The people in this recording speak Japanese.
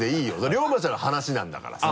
遼馬ちゃんの話なんだからさ。